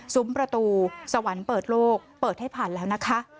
ประตูสวรรค์เปิดโลกเปิดให้ผ่านแล้วนะคะ